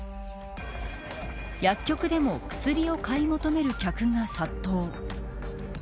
薬局でも薬を買い求める客が殺到。